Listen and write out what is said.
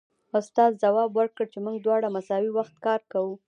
استاد ځواب ورکړ چې موږ دواړه مساوي وخت کار کوو